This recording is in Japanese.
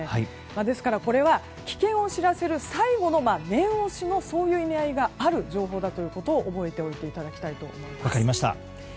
ですから、これは危険を知らせる最後の念押しのそういう意味合いがある情報だということを覚えておいていただきたいと思います。